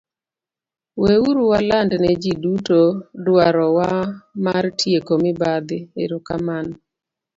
Weuru waland ne ji duto dwarowa mar tieko mibadhi, erokamano.